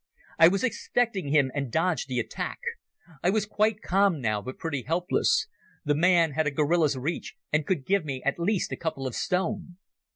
I was expecting him and dodged the attack. I was quite calm now, but pretty helpless. The man had a gorilla's reach and could give me at least a couple of stone.